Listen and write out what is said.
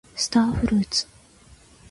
スターフルーツ